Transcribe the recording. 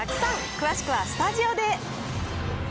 詳しくはスタジオで。